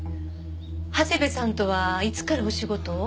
長谷部さんとはいつからお仕事を？